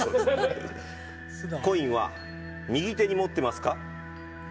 コインは右手に持ってますか？